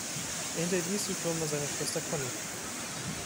Er hinterließ die Firma seiner Schwester Connie.